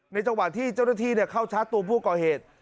จังหวะที่เจ้าหน้าที่เข้าชาร์จตัวผู้ก่อเหตุ